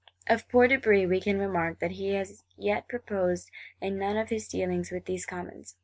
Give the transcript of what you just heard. Of poor De Brézé we can remark that he has yet prospered in none of his dealings with these Commons.